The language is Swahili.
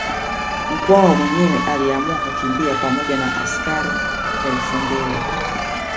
Mkwawa mwenyewe aliamua kukimbia pamoja na askari elfu mbili